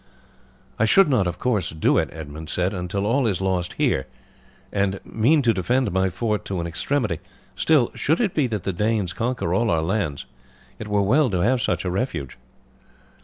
"I should not, of course, do it," Edmund said, "until all is lost here, and mean to defend my fort to an extremity; still should it be that the Danes conquer all our lands, it were well to have such a refuge."